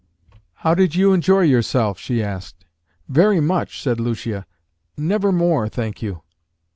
"How did you enjoy yourself?" she asked. "Very much," said Lucia; "never more, thank you."